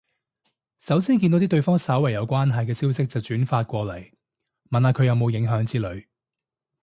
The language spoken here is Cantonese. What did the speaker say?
首先見到啲同對方稍為有關係嘅消息就轉發過嚟，問下佢有冇影響之類